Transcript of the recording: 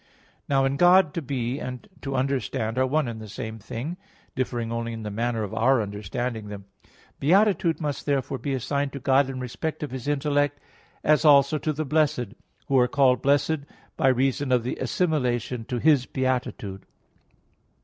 Now in God, to be and to understand are one and the same thing; differing only in the manner of our understanding them. Beatitude must therefore be assigned to God in respect of His intellect; as also to the blessed, who are called blessed [beati] by reason of the assimilation to His beatitude.